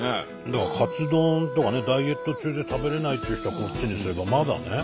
だからカツ丼とかねダイエット中で食べれないっていう人はこっちにすればまだね。